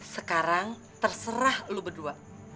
sekarang terserah lo berdua